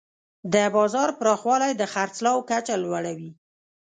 د بازار پراخوالی د خرڅلاو کچه لوړوي.